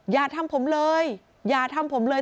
อย่าทำผมเลยอย่าทำผมเลย